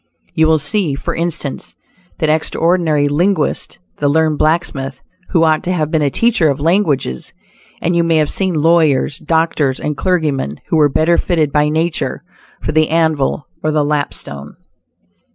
You will see, for instance, that extraordinary linguist the "learned blacksmith," who ought to have been a teacher of languages; and you may have seen lawyers, doctors and clergymen who were better fitted by nature for the anvil or the lapstone.